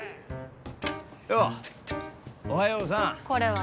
ようおはようさんこれは？